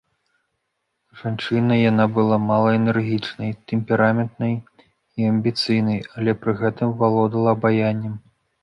Жанчынай яна была энергічнай, тэмпераментнай і амбіцыйнай, але пры гэтым валодала абаяннем.